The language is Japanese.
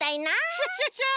クシャシャシャ！